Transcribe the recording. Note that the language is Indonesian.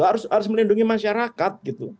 harus melindungi masyarakat gitu